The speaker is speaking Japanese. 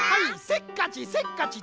せっかちせっかち